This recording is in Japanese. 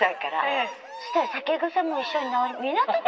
そしたら酒癖も一緒に直り。